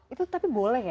itu tapi boleh ya